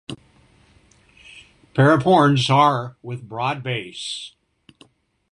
Pair of horns are with broad base.